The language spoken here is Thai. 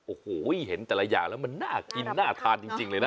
โอ้โหเห็นแต่ละอย่างแล้วมันน่ากินน่าทานจริงเลยนะ